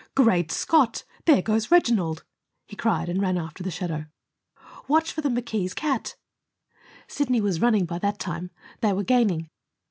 "Great Scott! There goes Reginald!" he cried, and ran after the shadow. "Watch for the McKees' cat!" Sidney was running by that time; they were gaining.